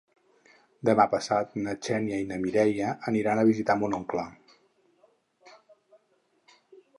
Demà passat na Xènia i na Mireia aniran a visitar mon oncle.